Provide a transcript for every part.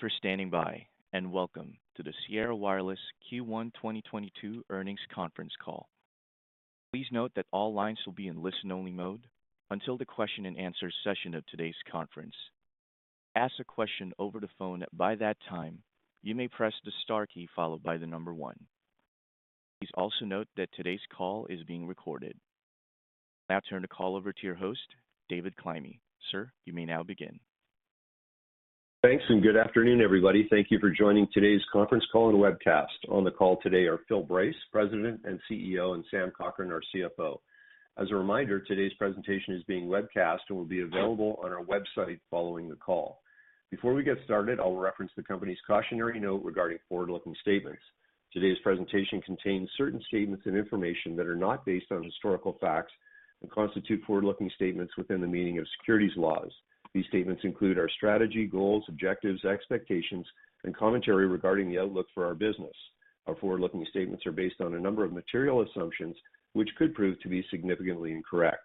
all for standing by and welcome to the Sierra Wireless Q1 2022 earnings conference call. Please note that all lines will be in listen-only mode until the question and answer session of today's conference. To ask a question over the phone at that time, you may press the star key followed by the number one. Please also note that today's call is being recorded. I'll now turn the call over to your host, David Climie. Sir, you may now begin. Thanks, and good afternoon, everybody. Thank you for joining today's conference call and webcast. On the call today are Phil Brace, President and CEO, and Sam Cochrane, our CFO. As a reminder, today's presentation is being webcast and will be available on our website following the call. Before we get started, I'll reference the company's cautionary note regarding forward-looking statements. Today's presentation contains certain statements and information that are not based on historical facts and constitute forward-looking statements within the meaning of securities laws. These statements include our strategy, goals, objectives, expectations, and commentary regarding the outlook for our business. Our forward-looking statements are based on a number of material assumptions, which could prove to be significantly incorrect.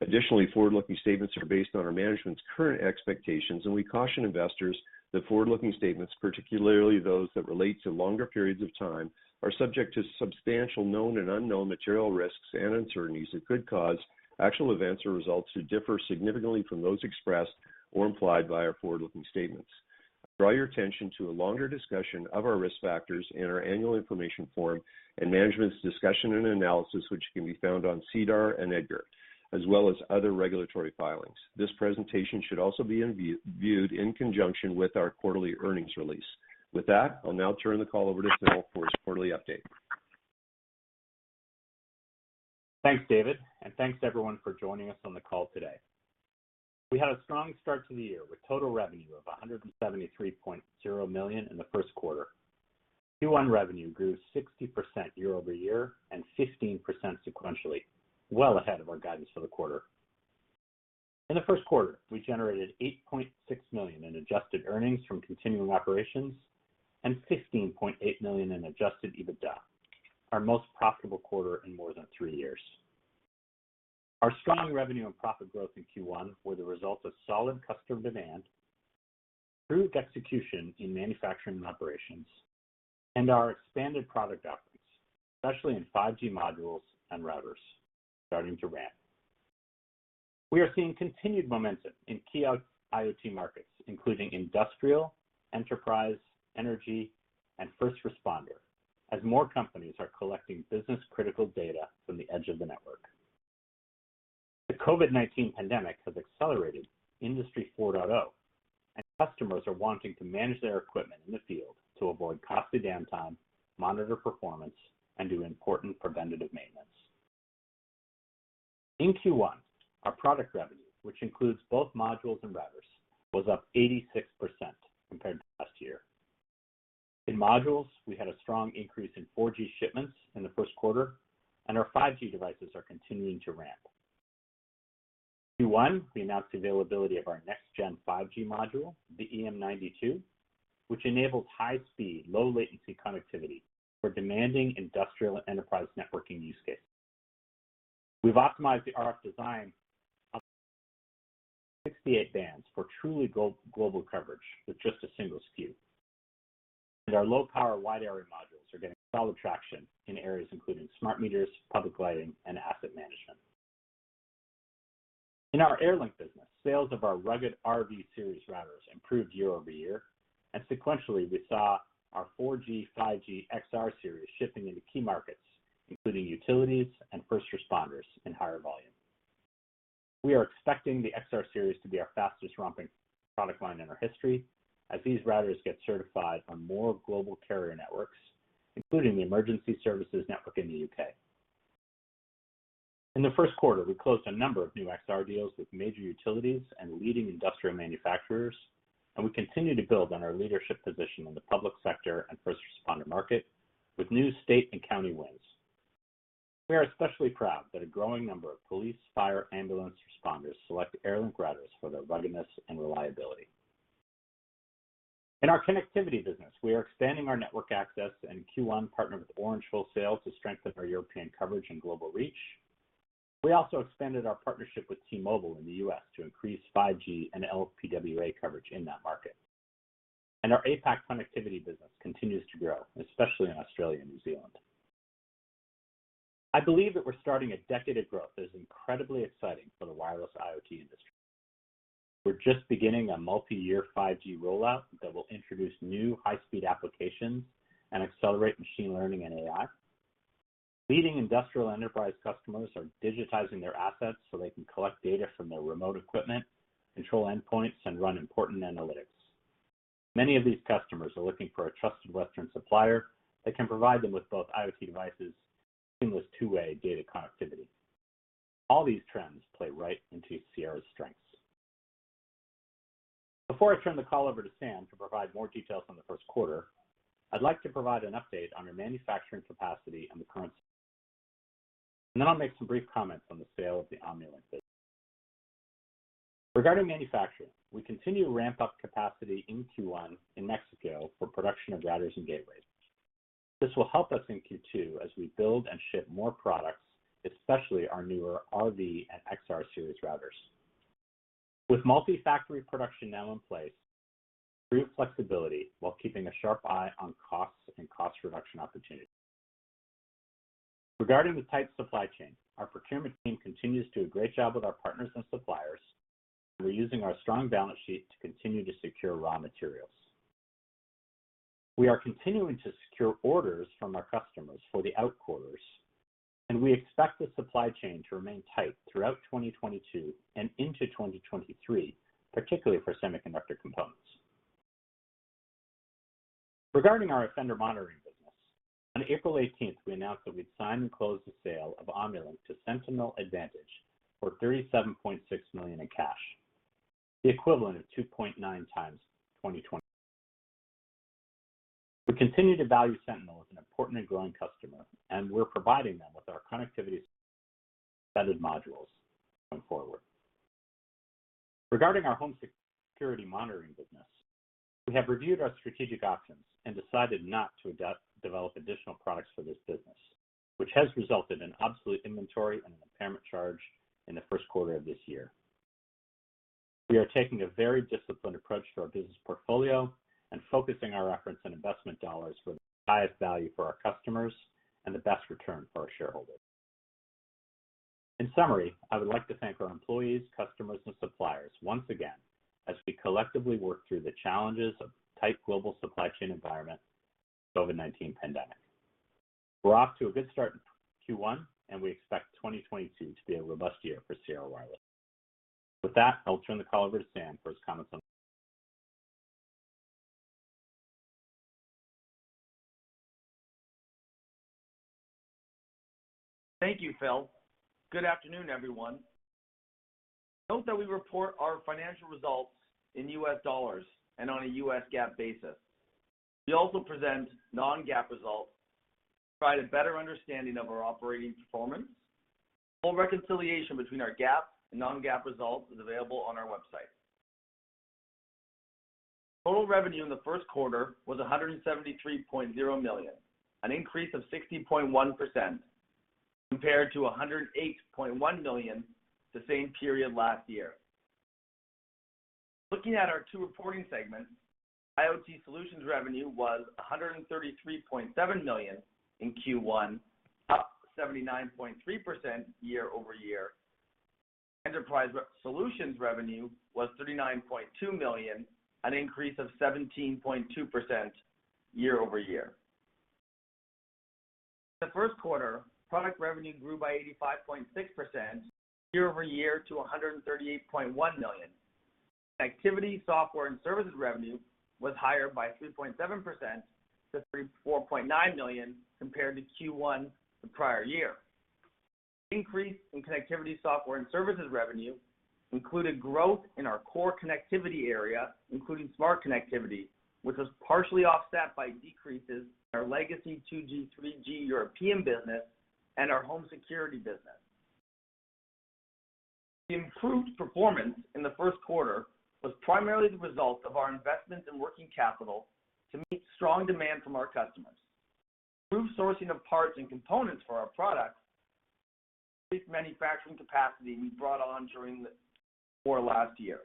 Additionally, forward-looking statements are based on our management's current expectations, and we caution investors that forward-looking statements, particularly those that relate to longer periods of time, are subject to substantial known and unknown material risks and uncertainties that could cause actual events or results to differ significantly from those expressed or implied by our forward-looking statements. I draw your attention to a longer discussion of our risk factors in our Annual Information Form and management's discussion and analysis, which can be found on SEDAR and EDGAR, as well as other regulatory filings. This presentation should also be viewed in conjunction with our quarterly earnings release. With that, I'll now turn the call over to Phil for his quarterly update. Thanks, David, and thanks everyone for joining us on the call today. We had a strong start to the year with total revenue of $173.0 million in the Q1. Q1 revenue grew 60% year-over-year and 15% sequentially, well ahead of our guidance for the quarter. In the Q1, we generated $8.6 million in adjusted earnings from continuing operations and $15.8 million in adjusted EBITDA, our most profitable quarter in more than three years. Our strong revenue and profit growth in Q1 were the result of solid customer demand, improved execution in manufacturing and operations, and our expanded product offerings, especially in 5G modules and routers starting to ramp. We are seeing continued momentum in key IoT markets, including industrial, enterprise, energy, and first responder, as more companies are collecting business-critical data from the edge of the network. The COVID-19 pandemic has accelerated Industry 4.0, and customers are wanting to manage their equipment in the field to avoid costly downtime, monitor performance, and do important preventative maintenance. In Q1, our product revenue, which includes both modules and routers, was up 86% compared to last year. In modules, we had a strong increase in 4G shipments in the Q1, and our 5G devices are continuing to ramp. Q1, we announced availability of our next-gen 5G module, the EM92, which enables high speed, low latency connectivity for demanding industrial enterprise networking use cases. We've optimized the RF design on 68 bands for truly global coverage with just a single SKU. Our low power wide area modules are getting solid traction in areas including smart meters, public lighting, and asset management. In our AirLink business, sales of our rugged RV series routers improved year-over-year, and sequentially, we saw our 4G/5G XR series shipping into key markets, including utilities and first responders in higher volume. We are expecting the XR series to be our fastest ramping product line in our history as these routers get certified on more global carrier networks, including the Emergency Services Network in the U.K. In the Q1, we closed a number of new XR deals with major utilities and leading industrial manufacturers, and we continue to build on our leadership position in the public sector and first responder market with new state and county wins. We are especially proud that a growing number of police, fire, ambulance responders select AirLink routers for their ruggedness and reliability. In our connectivity business, we are expanding our network access, and in Q1 we partnered with Orange Wholesale France to strengthen our European coverage and global reach. We also expanded our partnership with T-Mobile in the U.S. to increase 5G and LPWA coverage in that market. Our APAC connectivity business continues to grow, especially in Australia and New Zealand. I believe that we're starting a decade of growth that is incredibly exciting for the wireless IoT industry. We're just beginning a multi-year 5G rollout that will introduce new high-speed applications and accelerate machine learning and AI. Leading industrial enterprise customers are digitizing their assets so they can collect data from their remote equipment, control endpoints, and run important analytics. Many of these customers are looking for a trusted Western supplier that can provide them with both IoT devices and seamless two-way data connectivity. All these trends play right into Sierra's strengths. Before I turn the call over to Sam to provide more details on the Q1, I'd like to provide an update on our manufacturing capacity and the current. Then I'll make some brief comments on the sale of the Omnilink business. Regarding manufacturing, we continue to ramp up capacity in Q1 in Mexico for production of routers and gateways. This will help us in Q2 as we build and ship more products, especially our newer RV series and XR series routers. With multi-factory production now in place, greater flexibility while keeping a sharp eye on costs and cost reduction opportunities. Regarding the tight supply chain, our procurement team continues to do a great job with our partners and suppliers, and we're using our strong balance sheet to continue to secure raw materials. We are continuing to secure orders from our customers for the out quarters, and we expect the supply chain to remain tight throughout 2022 and into 2023, particularly for semiconductor components. Regarding our offender monitoring business, on April eighteenth, we announced that we'd signed and closed the sale of Omnilink to Sentinel Advantage for $37.6 million in cash, the equivalent of 2.9 times 2020. We continue to value Sentinel as an important and growing customer, and we're providing them with our connectivity embedded modules going forward. Regarding our home security monitoring business, we have reviewed our strategic options and decided not to adapt, develop additional products for this business, which has resulted in obsolete inventory and an impairment charge in the Q1 of this year. We are taking a very disciplined approach to our business portfolio and focusing our efforts and investment dollars for the highest value for our customers and the best return for our shareholders. In summary, I would like to thank our employees, customers, and suppliers once again as we collectively work through the challenges of tight global supply chain environment, COVID-19 pandemic. We're off to a good start in Q1, and we expect 2022 to be a robust year for Sierra Wireless. With that, I'll turn the call over to Sam for his comments on- Thank you, Phil. Good afternoon, everyone. Note that we report our financial results in US dollars and on a US GAAP basis. We also present non-GAAP results to provide a better understanding of our operating performance. Full reconciliation between our GAAP and non-GAAP results is available on our website. Total revenue in the Q1 was $173.0 million, an increase of 60.1% compared to $108.1 million the same period last year. Looking at our two reporting segments, IoT solutions revenue was $133.7 million in Q1, up 79.3% year-over-year. Enterprise solutions revenue was $39.2 million, an increase of 17.2% year-over-year. In the Q1, product revenue grew by 85.6% year-over-year to $138.1 million. Connectivity software and services revenue was higher by 3.7% to $34.9 million compared to Q1 the prior year. Increase in connectivity software and services revenue included growth in our core connectivity area, including Smart Connectivity, which was partially offset by decreases in our legacy 2G, 3G European business and our home security business. The improved performance in the Q1 was primarily the result of our investment in working capital to meet strong demand from our customers. Improved sourcing of parts and components for our products with manufacturing capacity we brought on during the Q4 last year.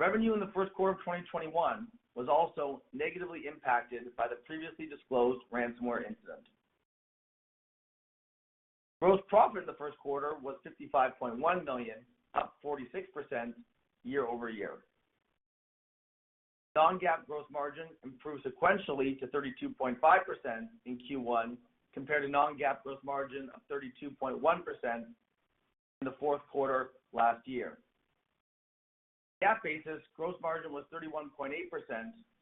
Revenue in the Q1 of 2021 was also negatively impacted by the previously disclosed ransomware incident. Gross profit in the Q1 was $55.1 million, up 46% year-over-year. Non-GAAP gross margin improved sequentially to 32.5% in Q1 compared to non-GAAP gross margin of 32.1% in the Q4 last year. On a GAAP basis, gross margin was 31.8%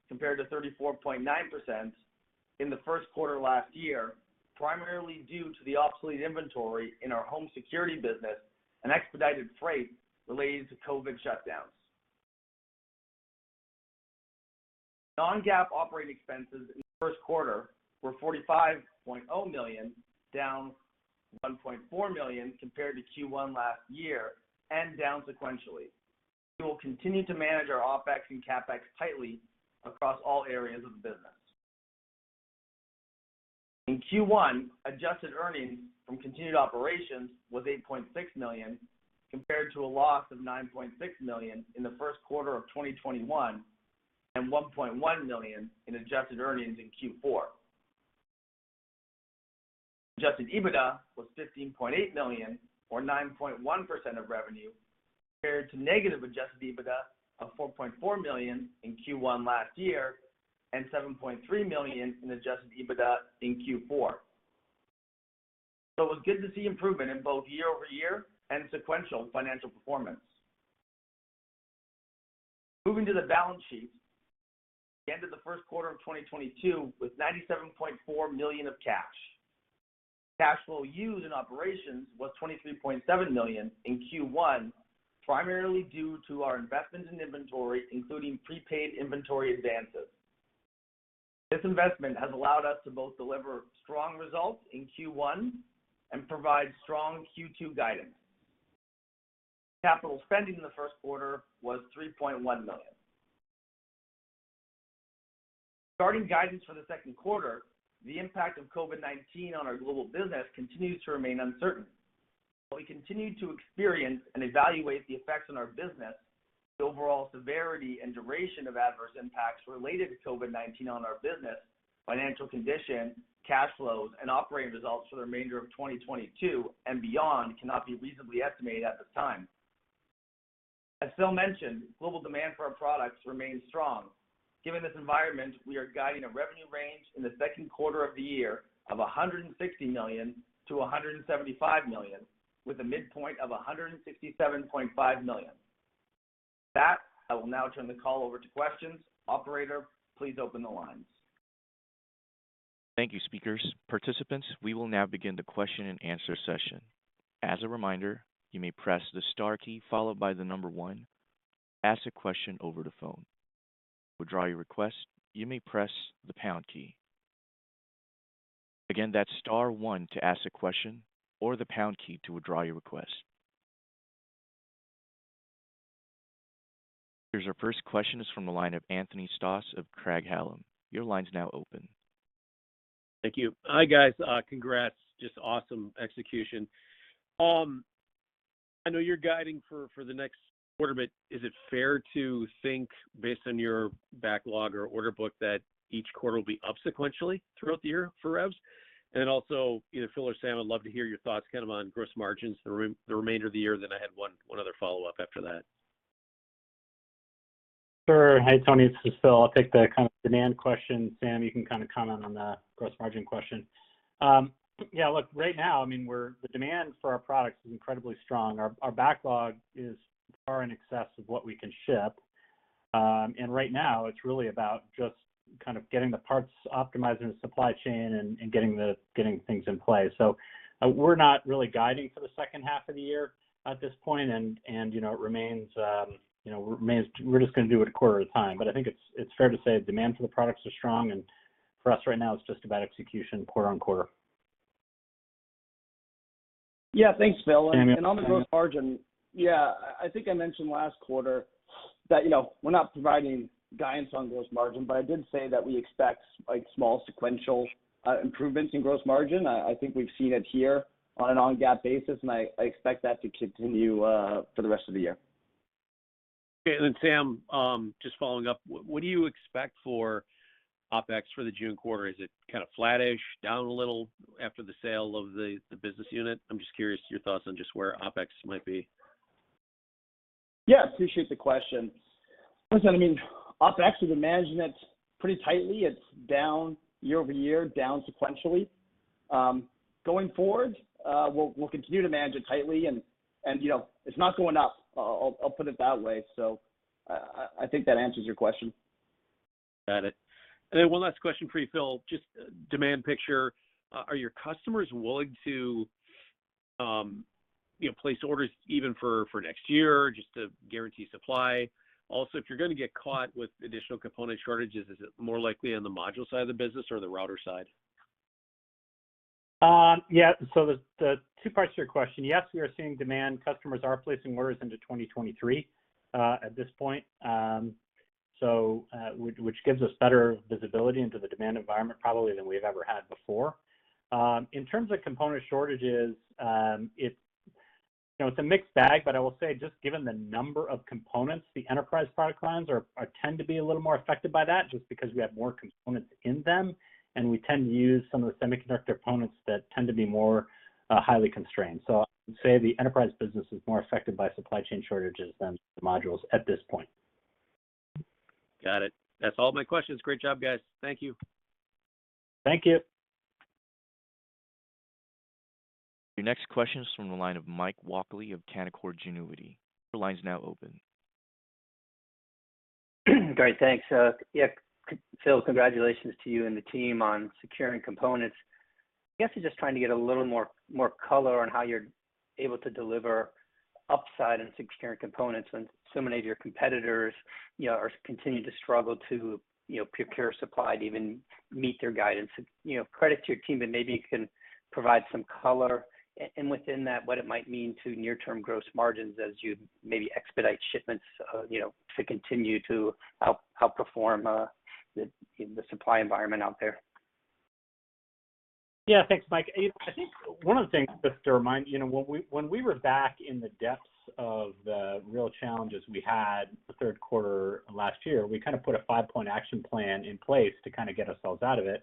compared to 34.9% in the Q1 last year, primarily due to the obsolete inventory in our home security business and expedited freight related to COVID shutdowns. Non-GAAP operating expenses in the Q1 were $45.0 million, down $1.4 million compared to Q1 last year and down sequentially. We will continue to manage our OpEx and CapEx tightly across all areas of the business. In Q1, adjusted earnings from continued operations was $8.6 million, compared to a loss of $9.6 million in the Q1 of 2021 and $1.1 million in adjusted earnings in Q4. Adjusted EBITDA was $15.8 million or 9.1% of revenue compared to negative adjusted EBITDA of $4.4 million in Q1 last year and $7.3 million in adjusted EBITDA in Q4. It was good to see improvement in both year-over-year and sequential financial performance. Moving to the balance sheet, the end of the Q1 of 2022 with $97.4 million of cash. Cash flow used in operations was $23.7 million in Q1, primarily due to our investment in inventory, including prepaid inventory advances. This investment has allowed us to both deliver strong results in Q1 and provide strong Q2 guidance. Capital spending in the Q1 was $3.1 million. Starting guidance for the Q2, the impact of COVID-19 on our global business continues to remain uncertain. While we continue to experience and evaluate the effects on our business, the overall severity and duration of adverse impacts related to COVID-19 on our business, financial condition, cash flows, and operating results for the remainder of 2022 and beyond cannot be reasonably estimated at this time. As Phil mentioned, global demand for our products remains strong. Given this environment, we are guiding a revenue range in the Q2 of the year of $160 million-$175 million, with a midpoint of $167.5 million. With that, I will now turn the call over to questions. Operator, please open the lines. Thank you, speakers. Participants, we will now begin the question and answer session. As a reminder, you may press the star key followed by the number one to ask a question over the phone. To withdraw your request, you may press the pound key. Again, that's star one to ask a question or the pound key to withdraw your request. Here's our first question is from the line of Anthony Stoss of Craig-Hallum. Your line's now open. Thank you. Hi, guys. Congrats. Just awesome execution. I know you're guiding for the next quarter, but is it fair to think based on your backlog or order book that each quarter will be up sequentially throughout the year for revs? Then also, you know, Phil or Sam, I'd love to hear your thoughts kind of on gross margins the remainder of the year. I had one other follow-up after that. Sure. Hi, Tony, it's Phil. I'll take the kind of demand question. Sam, you can kinda comment on the gross margin question. Yeah, look, right now, I mean, the demand for our products is incredibly strong. Our backlog is far in excess of what we can ship. Right now it's really about just kind of getting the parts optimized in the supply chain and getting things in place. We're not really guiding for the H2 of the year at this point, and you know, it remains we're just gonna do it a quarter at a time. I think it's fair to say demand for the products are strong, and for us right now, it's just about execution quarter on quarter. Yeah. Thanks, Phil. Sam, you wanna comment? On the gross margin, yeah, I think I mentioned last quarter that, you know, we're not providing guidance on gross margin, but I did say that we expect slight small sequential improvements in gross margin. I think we've seen it here on a non-GAAP basis, and I expect that to continue for the rest of the year. Okay. Then Sam, just following up, what do you expect for OpEx for the June quarter? Is it kinda flattish, down a little after the sale of the business unit? I'm just curious your thoughts on just where OpEx might be. Yeah, appreciate the question. Listen, I mean, OpEx, we've been managing it pretty tightly. It's down year-over-year, down sequentially. Going forward, we'll continue to manage it tightly and, you know, it's not going up. I'll put it that way. I think that answers your question. Got it. One last question for you, Phil. Just the demand picture. Are your customers willing to, you know, place orders even for next year just to guarantee supply? Also, if you're gonna get caught with additional component shortages, is it more likely on the module side of the business or the router side? Yeah. The two parts to your question. Yes, we are seeing demand. Customers are placing orders into 2023 at this point, which gives us better visibility into the demand environment probably than we've ever had before. In terms of component shortages, it's, you know, it's a mixed bag, but I will say just given the number of components, the enterprise product lines are tend to be a little more affected by that just because we have more components in them, and we tend to use some of the semiconductor components that tend to be more highly constrained. I'd say the enterprise business is more affected by supply chain shortages than the modules at this point. Got it. That's all my questions. Great job, guys. Thank you. Thank you. Your next question is from the line of Mike Walkley of Canaccord Genuity. Your line is now open. Great. Thanks. Yeah, Phil, congratulations to you and the team on securing components. I guess I'm just trying to get a little more color on how you're able to deliver upside in securing components when so many of your competitors, you know, are continuing to struggle to, you know, procure supply to even meet their guidance. You know, credit to your team, but maybe you can provide some color and within that, what it might mean to near-term gross margins as you maybe expedite shipments, you know, to continue to outperform the supply environment out there. Yeah. Thanks, Mike. I think one of the things just to remind you know when we were back in the depths of the real challenges we had the Q3 of last year we kinda put a 5-point action plan in place to kinda get ourselves out of it.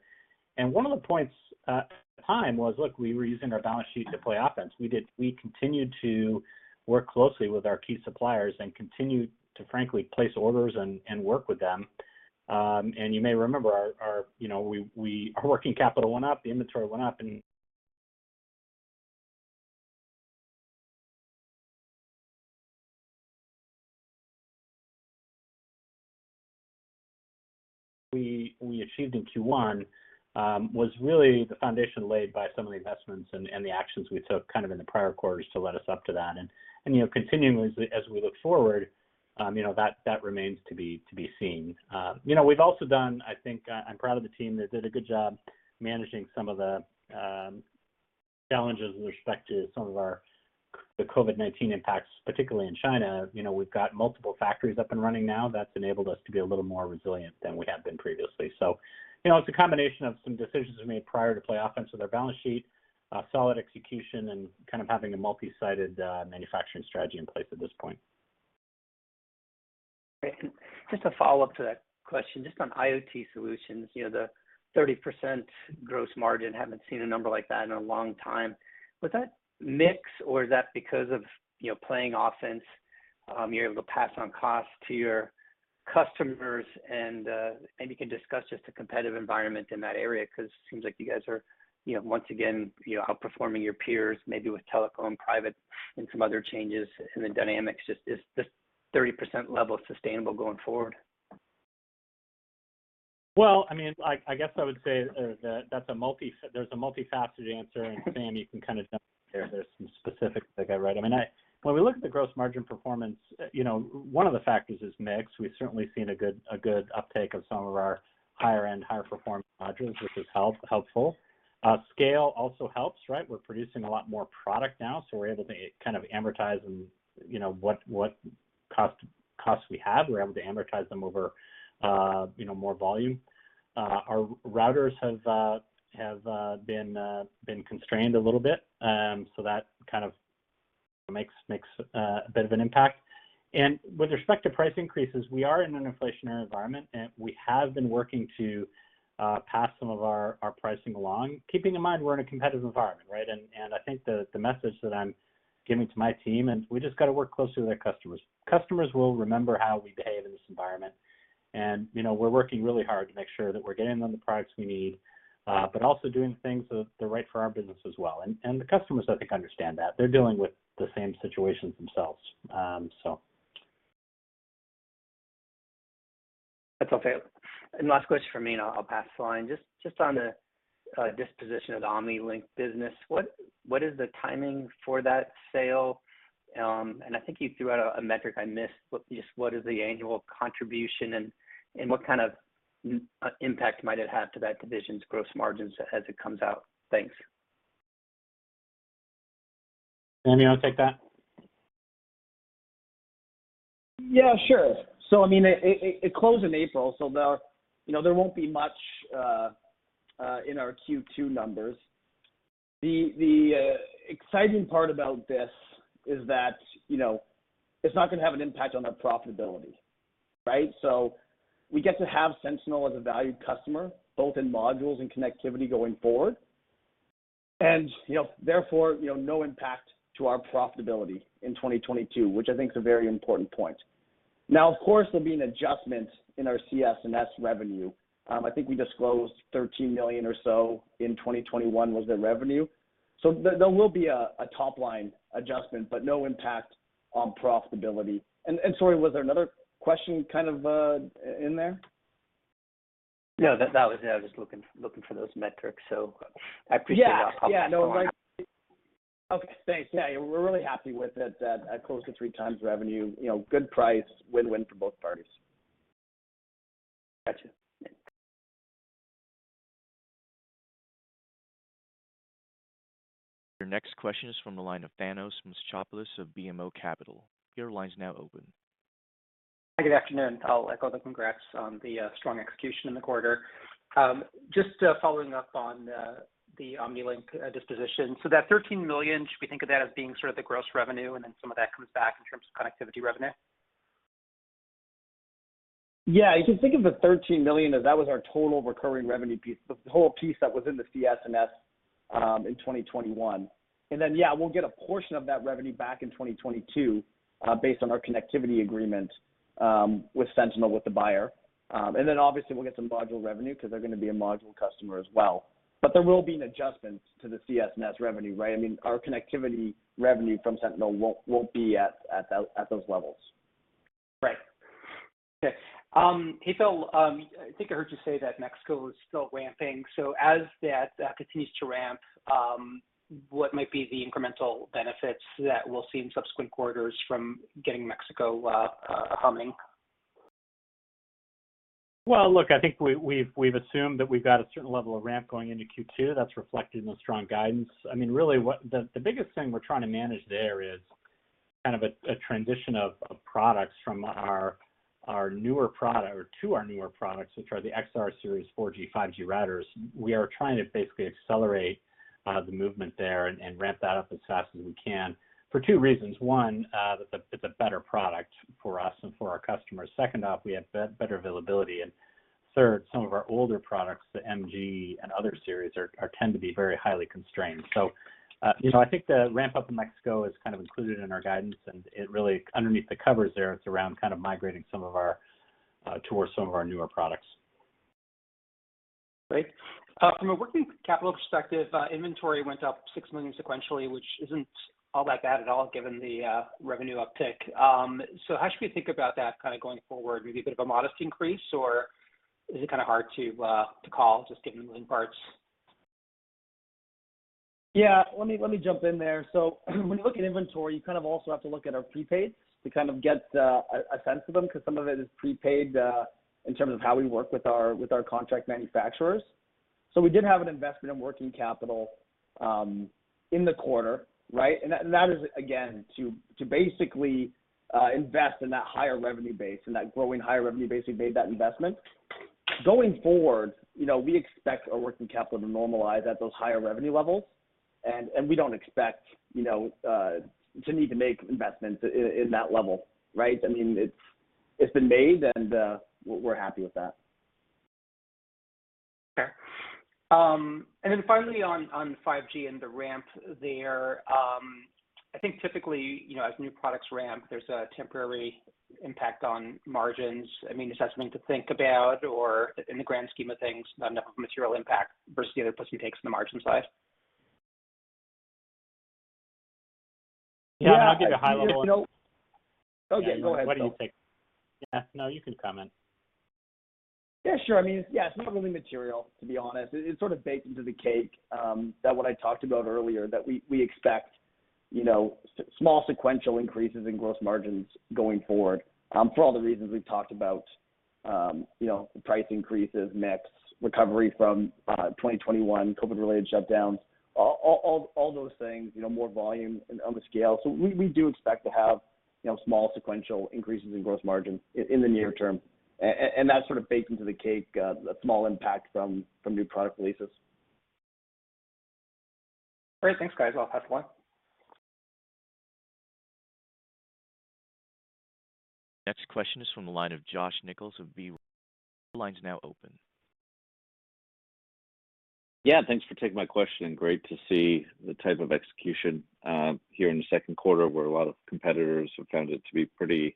One of the points at the time was look we were using our balance sheet to play offense. We continued to work closely with our key suppliers and continued to frankly place orders and work with them. You may remember our you know our working capital went up the inventory went up. We achieved in Q1 was really the foundation laid by some of the investments and the actions we took kind of in the prior quarters to lead us up to that. You know, continually as we look forward, you know, that remains to be seen. You know, we've also done, I think, I'm proud of the team, they did a good job managing some of the challenges with respect to the COVID-19 impacts, particularly in China. You know, we've got multiple factories up and running now. That's enabled us to be a little more resilient than we have been previously. You know, it's a combination of some decisions we made prior to play offense with our balance sheet, solid execution, and kind of having a multi-sided manufacturing strategy in place at this point. Great. Just a follow-up to that question, just on IoT Solutions. You know, the 30% gross margin, haven't seen a number like that in a long time. Was that mix or is that because of, you know, playing offense, you're able to pass on costs to your customers and, maybe you can discuss just the competitive environment in that area 'cause it seems like you guys are, you know, once again, you know, outperforming your peers, maybe with Telit, Fibocom, and some other changes in the dynamics. Just, is this 30% level sustainable going forward? Well, I mean, like, I guess I would say that that's a multi-faceted answer. Sam, you can kind of jump in there with some specifics, like I read them. When we look at the gross margin performance, you know, one of the factors is mix. We've certainly seen a good uptake of some of our higher end, higher performance modules, which has been helpful. Scale also helps, right? We're producing a lot more product now, so we're able to kind of amortize and, you know, what costs we have, we're able to amortize them over, you know, more volume. Our routers have been constrained a little bit. So that kind of makes a bit of an impact. With respect to price increases, we are in an inflationary environment, and we have been working to pass some of our pricing along. Keeping in mind we're in a competitive environment, right? I think the message that I'm giving to my team, and we just got to work closely with our customers. Customers will remember how we behave in this environment. You know, we're working really hard to make sure that we're getting them the products we need, but also doing the right thing for our business as well. The customers, I think, understand that. They're dealing with the same situations themselves, so. That's all. Last question from me, and I'll pass the line. Just on the disposition of the Omnilink business, what is the timing for that sale? I think you threw out a metric I missed. What is the annual contribution, and what kind of impact might it have to that division's gross margins as it comes out? Thanks. Sam, you want to take that? Yeah, sure. I mean, it closed in April, so you know, there won't be much in our Q2 numbers. The exciting part about this is that, you know, it's not gonna have an impact on our profitability, right? We get to have Sentinel as a valued customer, both in modules and connectivity going forward. You know, therefore, you know, no impact to our profitability in 2022, which I think is a very important point. Now, of course, there'll be an adjustment in our CS&S revenue. I think we disclosed $13 million or so in 2021 was their revenue. There will be a top line adjustment, but no impact on profitability. Sorry, was there another question kind of in there? No, that was it. I was just looking for those metrics. I appreciate- Yeah. Yeah. No. Okay, thanks. Yeah. We're really happy with it at close to 3x revenue, you know, good price, win-win for both parties. Got you. Your next question is from the line of Thanos Moschopoulos of BMO Capital Markets. Your line is now open. Good afternoon. I'll echo the congrats on the strong execution in the quarter. Just following up on the Omnilink disposition. That $13 million, should we think of that as being sort of the gross revenue, and then some of that comes back in terms of connectivity revenue? You can think of the $13 million as that was our total recurring revenue piece, the whole piece that was in the CS&S in 2021. We'll get a portion of that revenue back in 2022 based on our connectivity agreement with Sentinel, with the buyer. Obviously, we'll get some module revenue because they're gonna be a module customer as well. There will be an adjustment to the CS&S revenue, right? I mean, our connectivity revenue from Sentinel won't be at those levels. Right. Okay. Hey, Phil, I think I heard you say that Mexico is still ramping. As that continues to ramp, what might be the incremental benefits that we'll see in subsequent quarters from getting Mexico humming? Well, look, I think we've assumed that we've got a certain level of ramp going into Q2 that's reflected in the strong guidance. I mean, really, the biggest thing we're trying to manage there is kind of a transition of products from our older products to our newer products, which are the XR series 4G, 5G routers. We are trying to basically accelerate the movement there and ramp that up as fast as we can for two reasons. One, that's a better product for us and for our customers. Second off, we have better availability. Third, some of our older products, the MG and other series are tend to be very highly constrained. you know, I think the ramp-up in Mexico is kind of included in our guidance, and it really, underneath the covers there, it's around kind of migrating some of our towards some of our newer products. Great. From a working capital perspective, inventory went up $6 million sequentially, which isn't all that bad at all given the revenue uptick. How should we think about that kind of going forward? Maybe a bit of a modest increase, or is it kind of hard to call just given the lead parts. Yeah. Let me jump in there. When you look at inventory, you kind of also have to look at our prepaids to kind of get a sense of them, 'cause some of it is prepaid in terms of how we work with our contract manufacturers. We did have an investment in working capital in the quarter, right? That is, again, to basically invest in that higher revenue base, in that growing higher revenue base, we made that investment. Going forward, you know, we expect our working capital to normalize at those higher revenue levels, and we don't expect, you know, to need to make investments in that level, right? I mean, it's been made, and we're happy with that. Sure. Finally on 5G and the ramp there, I think typically, you know, as new products ramp, there's a temporary impact on margins. I mean, is that something to think about or in the grand scheme of things, not enough of a material impact versus the other push and takes in the margin side? Yeah. Yeah. I'll give you a high level. You know. Okay. Go ahead, Phil. Why don't you take? Yeah. No, you can comment. Yeah, sure. I mean, yeah, it's not really material, to be honest. It's sort of baked into the cake that what I talked about earlier, that we expect, you know, small sequential increases in gross margins going forward, for all the reasons we've talked about, you know, price increases, mix, recovery from 2021 COVID-related shutdowns. All those things, you know, more volume on the scale. We do expect to have, you know, small sequential increases in gross margin in the near term. That's sort of baked into the cake, a small impact from new product releases. Great. Thanks, guys. I'll pass the line. Next question is from the line of Josh Nichols of B. Riley. Your line's now open. Yeah, thanks for taking my question. Great to see the type of execution here in the Q2 where a lot of competitors have found it to be pretty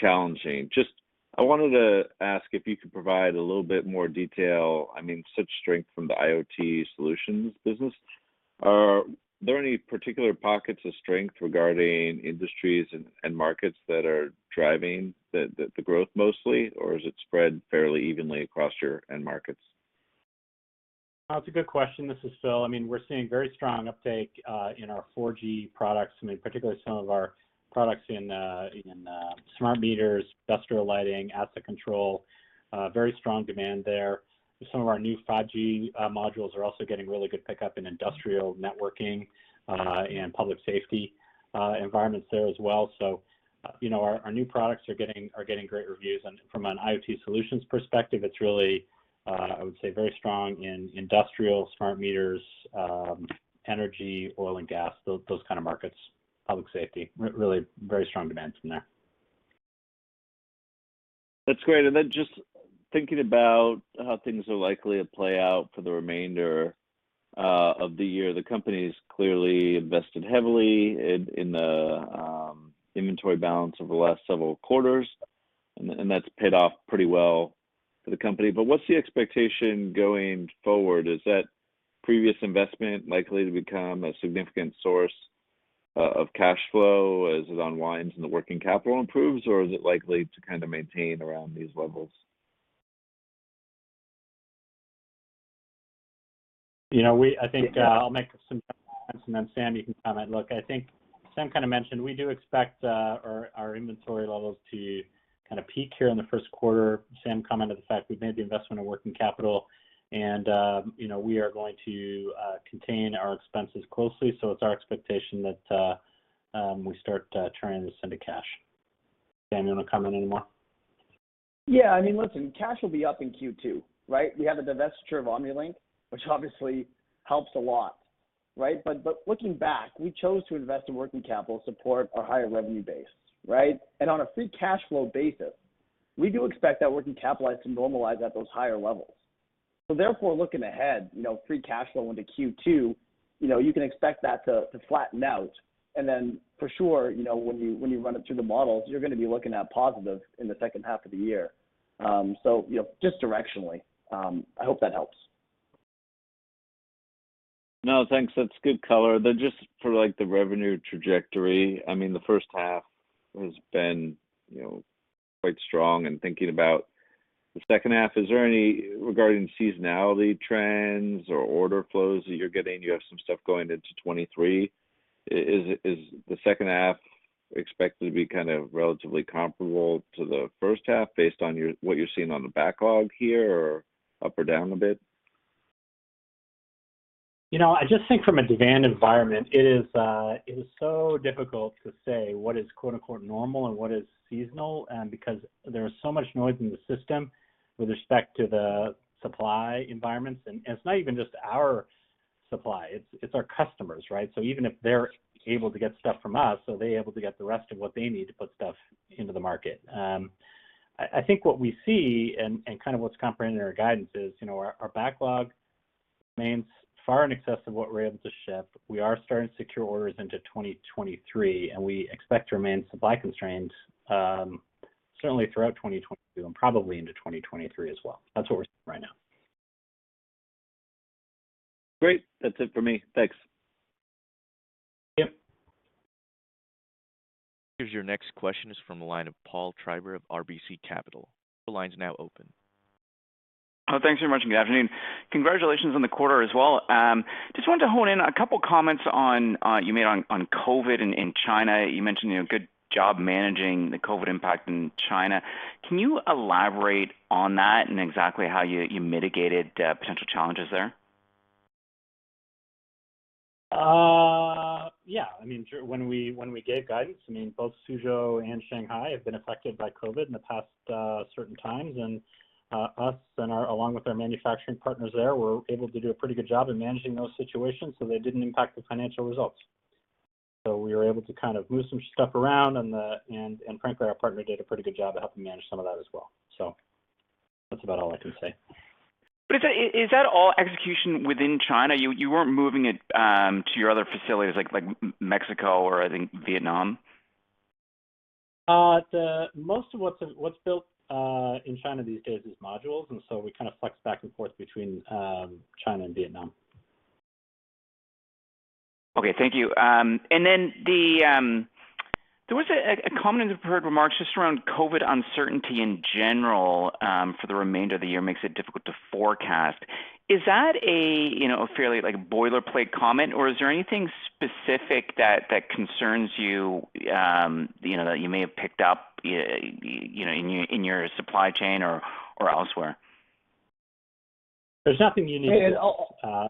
challenging. Just, I wanted to ask if you could provide a little bit more detail. I mean, such strength from the IoT Solutions business. Are there any particular pockets of strength regarding industries and markets that are driving the growth mostly, or is it spread fairly evenly across your end markets? That's a good question. This is Phil. I mean, we're seeing very strong uptake in our 4G products. I mean, particularly some of our products in smart meters, industrial lighting, asset control, very strong demand there. Some of our new 5G modules are also getting really good pickup in industrial networking and public safety environments there as well. You know, our new products are getting great reviews. From an IoT Solutions perspective, it's really, I would say, very strong in industrial smart meters, energy, oil and gas, those kind of markets. Public safety, really very strong demand from there. That's great. Then just thinking about how things are likely to play out for the remainder of the year. The company's clearly invested heavily in the inventory balance over the last several quarters, and that's paid off pretty well for the company. What's the expectation going forward? Is that previous investment likely to become a significant source of cash flow as it unwinds and the working capital improves, or is it likely to kind of maintain around these levels? You know, I think I'll make some comments, and then Sam, you can comment. Look, I think Sam kind of mentioned, we do expect our inventory levels to kind of peak here in the Q1. Sam commented the fact we've made the investment in working capital and, you know, we are going to contain our expenses closely. It's our expectation that we start turning this into cash. Sam, you wanna comment anymore? Yeah. I mean, listen, cash will be up in Q2, right? We have a divestiture of Omnilink, which obviously helps a lot, right? Looking back, we chose to invest in working capital to support our higher revenue base, right? On a free cash flow basis, we do expect that working capital to normalize at those higher levels. Therefore, looking ahead, you know, free cash flow into Q2, you know, you can expect that to flatten out. Then for sure, you know, when you run it through the models, you're gonna be looking at positive in the H2 of the year. You know, just directionally, I hope that helps. No, thanks. That's good color. Just for, like, the revenue trajectory, I mean, the H1 has been, you know, quite strong. Thinking about the H2, is there any regarding seasonality trends or order flows that you're getting, you have some stuff going into 2023. Is the H2 expected to be kind of relatively comparable to the H1 based on what you're seeing on the backlog here, or up or down a bit? You know, I just think from a demand environment, it is so difficult to say what is quote-unquote normal and what is seasonal, because there is so much noise in the system with respect to the supply environments. It's not even just our supply, it's our customers, right? Even if they're able to get stuff from us, are they able to get the rest of what they need to put stuff into the market? I think what we see and kind of what's comprehended in our guidance is, you know, our backlog remains far in excess of what we're able to ship. We are starting to secure orders into 2023, and we expect to remain supply constrained, certainly throughout 2022 and probably into 2023 as well. That's what we're seeing right now. Great. That's it for me. Thanks. Here's your next question is from the line of Paul Treiber of RBC Capital Markets. Your line's now open. Oh, thanks very much, and good afternoon. Congratulations on the quarter as well. Just wanted to hone in on a couple of comments you made on COVID in China. You mentioned, you know, good job managing the COVID impact in China. Can you elaborate on that and exactly how you mitigated potential challenges there? Yeah. I mean, sure. When we gave guidance, I mean, both Suzhou and Shanghai have been affected by COVID in the past, certain times. We, along with our manufacturing partners there, were able to do a pretty good job in managing those situations, so they didn't impact the financial results. We were able to kind of move some stuff around, and frankly, our partner did a pretty good job of helping manage some of that as well. That's about all I can say. Is that all execution within China? You weren't moving it to your other facilities like Mexico or I think Vietnam? The most of what's built in China these days is modules, and so we kind of flex back and forth between China and Vietnam. Okay. Thank you. There was a comment in the prepared remarks just around COVID uncertainty in general for the remainder of the year makes it difficult to forecast. Is that, you know, a fairly like boilerplate comment, or is there anything specific that concerns you know, that you may have picked up you know, in your supply chain or elsewhere? There's nothing unique. And I'll- Uh.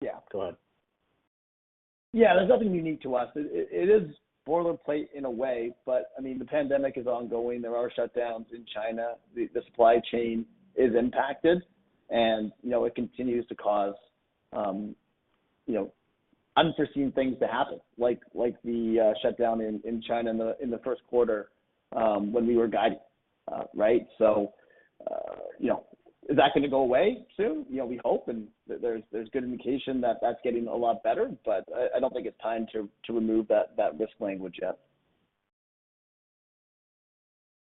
Yeah. Go ahead. Yeah, there's nothing unique to us. It is boilerplate in a way, but I mean, the pandemic is ongoing. There are shutdowns in China. The supply chain is impacted and, you know, it continues to cause, you know, unforeseen things to happen, like the shutdown in China in the Q1 when we were guiding. Right? You know, is that gonna go away soon? You know, we hope, and there's good indication that that's getting a lot better, but I don't think it's time to remove that risk language yet.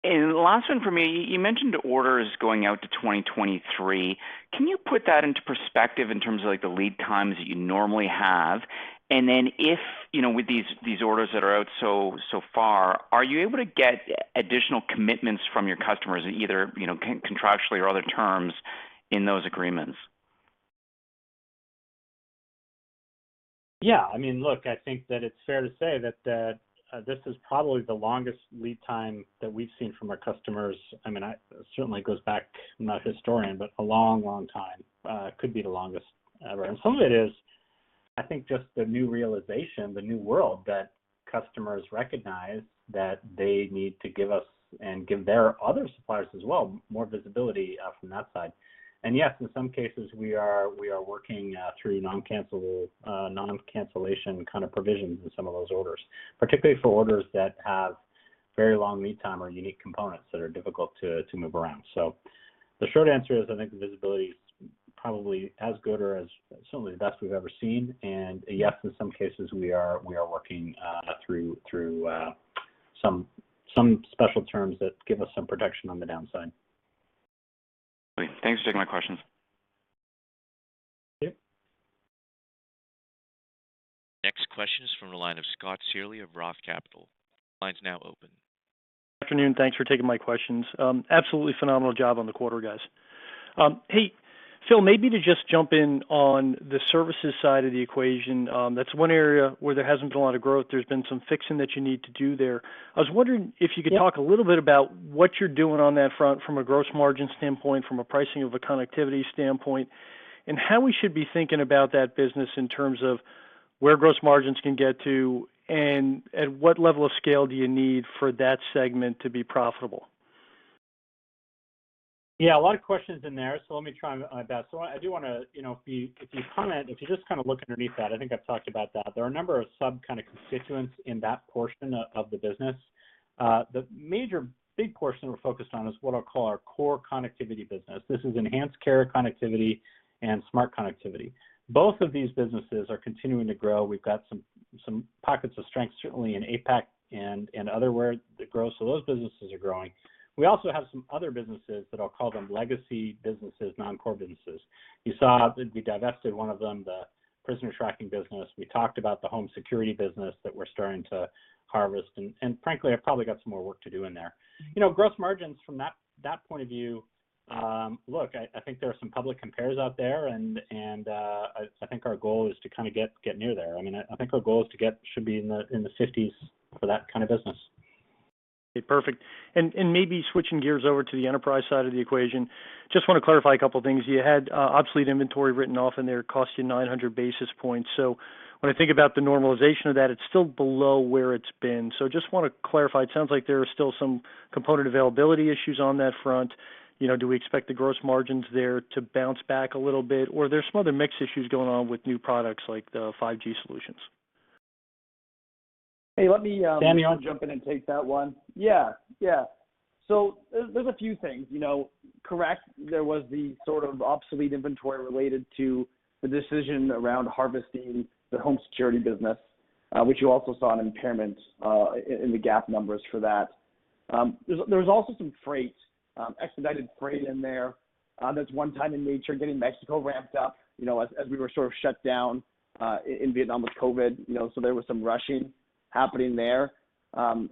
Last one from me. You mentioned orders going out to 2023. Can you put that into perspective in terms of like the lead times that you normally have? Then if, you know, with these orders that are out so far, are you able to get additional commitments from your customers, either, you know, contractually or other terms in those agreements? Yeah. I mean, look, I think that it's fair to say that this is probably the longest lead time that we've seen from our customers. I mean, certainly goes back, I'm not a historian, but a long, long time. It could be the longest ever. Some of it is I think just the new realization, the new world that customers recognize that they need to give us and give their other suppliers as well, more visibility, from that side. Yes, in some cases, we are working through non-cancellation kind of provisions in some of those orders, particularly for orders that have very long lead time or unique components that are difficult to move around. The short answer is, I think the visibility is probably as good or as certainly the best we've ever seen. Yes, in some cases, we are working through some special terms that give us some protection on the downside. Great. Thanks for taking my questions. Thank you. Next question is from the line of Scott Searle of Roth Capital. Line's now open. Good afternoon. Thanks for taking my questions. Absolutely phenomenal job on the quarter, guys. Hey, Phil, maybe to just jump in on the services side of the equation, that's one area where there hasn't been a lot of growth. There's been some fixing that you need to do there. I was wondering if you could. Yeah talk a little bit about what you're doing on that front from a gross margin standpoint, from a pricing of a connectivity standpoint, and how we should be thinking about that business in terms of where gross margins can get to and at what level of scale do you need for that segment to be profitable? Yeah, a lot of questions in there, so let me try my best. I do wanna, you know, if you just kinda look underneath that, I think I've talked about that, there are a number of sub kind of constituents in that portion of the business. The major big portion we're focused on is what I'll call our core connectivity business. This is Enhanced Coverage Connectivity and Smart Connectivity. Both of these businesses are continuing to grow. We've got some pockets of strength, certainly in APAC and other where the growth, so those businesses are growing. We also have some other businesses that I'll call them legacy businesses, non-core businesses. You saw that we divested one of them, the prisoner tracking business. We talked about the home security business that we're starting to harvest. Frankly, I've probably got some more work to do in there. Gross margins from that point of view, I think there are some public comps out there and I think our goal is to kinda get near there. I mean, I think our goal should be in the 50s% for that kind of business. Okay, perfect. Maybe switching gears over to the enterprise side of the equation, just wanna clarify a couple of things. You had obsolete inventory written off in there, cost you 900 basis points. When I think about the normalization of that, it's still below where it's been. Just wanna clarify, it sounds like there are still some component availability issues on that front. You know, do we expect the gross margins there to bounce back a little bit? Or there's some other mix issues going on with new products like the 5G solutions? Hey, let me Danny, Jump in and take that one. Yeah, yeah. There's a few things, you know. Correct, there was the sort of obsolete inventory related to the decision around harvesting the home security business, which you also saw an impairment in the GAAP numbers for that. There was also some expedited freight in there. There's one-time in nature getting Mexico ramped up, you know, as we were sort of shut down in Vietnam with COVID, you know. There was some rushing happening there. And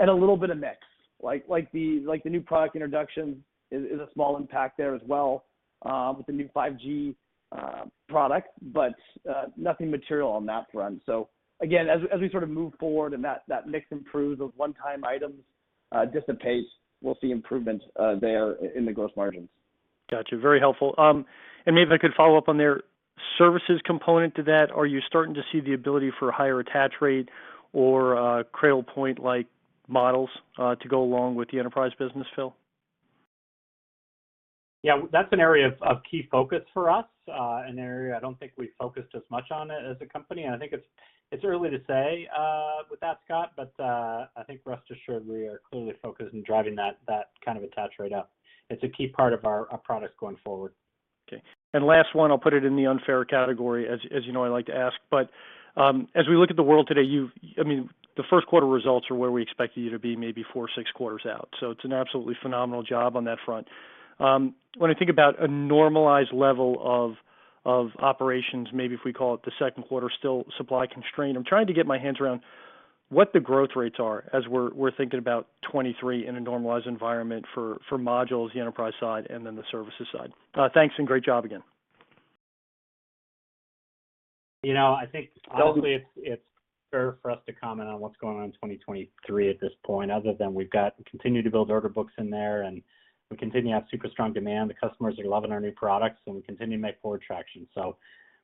a little bit of mix. Like the new product introduction is a small impact there as well, with the new 5G product. Nothing material on that front. Again, as we sort of move forward and that mix improves, those one-time items dissipate, we'll see improvements there in the gross margins. Gotcha. Very helpful. Maybe if I could follow up on their services component to that. Are you starting to see the ability for a higher attach rate or Cradlepoint-like models to go along with the enterprise business, Phil? Yeah. That's an area of key focus for us, an area I don't think we focused as much on as a company. I think it's early to say with that, Scott. I think rest assured we are clearly focused in driving that kind of attach rate up. It's a key part of our products going forward. Okay. Last one, I'll put it in the unfair category. As you know, I like to ask. As we look at the world today, I mean, the Q1 results are where we expected you to be maybe four, six quarters out. It's an absolutely phenomenal job on that front. When I think about a normalized level of operations, maybe if we call it the Q2, still supply constrained. I'm trying to get my hands around what the growth rates are as we're thinking about 2023 in a normalized environment for modules, the enterprise side, and then the services side. Thanks and great job again. You know, I think honestly it's fair for us to comment on what's going on in 2023 at this point, other than we've got to continue to build order books in there, and we continue to have super strong demand. The customers are loving our new products, and we continue to make forward traction.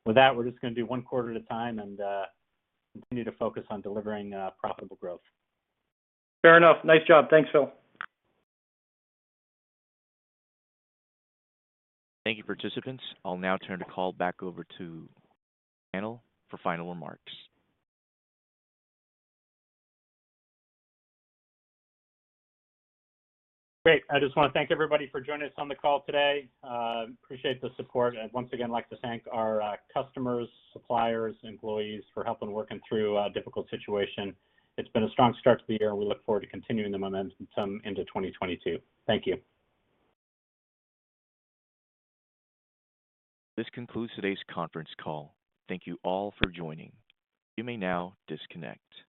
With that, we're just gonna do one quarter at a time and continue to focus on delivering profitable growth. Fair enough. Nice job. Thanks, Phil. Thank you, participants. I'll now turn the call back over to panel for final remarks. Great. I just wanna thank everybody for joining us on the call today. Appreciate the support. Once again like to thank our customers, suppliers, employees for helping us work through a difficult situation. It's been a strong start to the year, and we look forward to continuing the momentum into 2022. Thank you. This concludes today's conference call. Thank you all for joining. You may now disconnect.